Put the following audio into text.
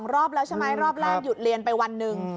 รอบแล้วใช่ไหมรอบแรกหยุดเรียนไปวันหนึ่ง